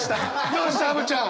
どうしたアヴちゃん！